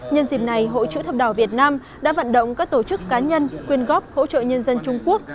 nhân dịp này hội chữ thập đỏ việt nam đã vận động các tổ chức cá nhân quyên góp hỗ trợ nhân dân trung quốc